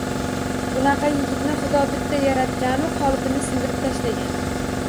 Bunaqa yigitni xudo bitta yaratganu qolipini sindirib tashlagan!